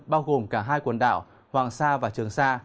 bao gồm cả hai quần đảo hoàng sa và trường sa